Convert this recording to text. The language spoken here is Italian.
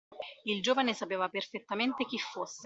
Il giovane sapeva perfettamente chi fosse